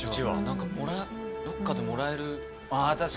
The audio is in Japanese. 何かどっかでもらえるイメージ。